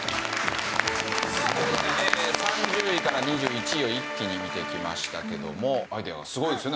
さあという事で３０位から２１位を一気に見てきましたけどもアイデアがすごいですよね